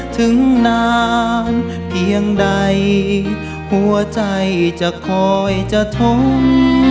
ถึงนานเพียงใดหัวใจจะคอยจะทน